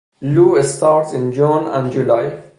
Loo starts in June and July.